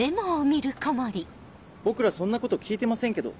僕らそんなこと聞いてませんけど。